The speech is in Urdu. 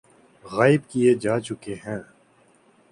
غائب کئے جا چکے ہیں